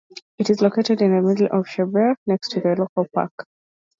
It is located in the middle of Shebbear, next to the local park.